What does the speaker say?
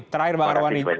terakhir bang arwani